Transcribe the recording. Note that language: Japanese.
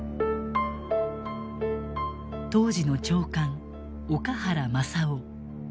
当時の長官岡原昌男。